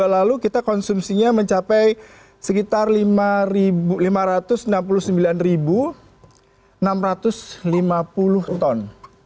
dua lalu kita konsumsinya mencapai sekitar lima ratus enam puluh sembilan enam ratus lima puluh ton